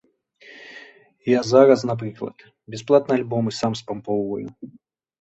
Я зараз, напрыклад, бясплатна альбомы сам спампоўваю.